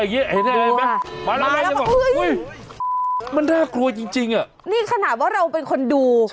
เห็นไหมมาแล้วอุ๊ยมันน่ากลัวจริงนี่ขนาดว่าเราเป็นคนดู